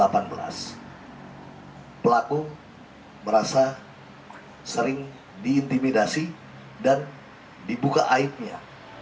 pelaku merasa sering diintimidasi dan dibuka aibnya